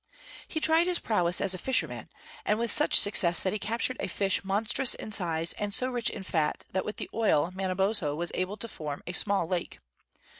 He tried his prowess as a fisherman, and with such success that he captured a fish monstrous in size and so rich in fat that with the oil Manabozho was able to form a small lake.